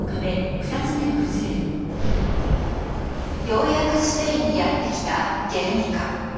ようやくスペインにやって来た「ゲルニカ」。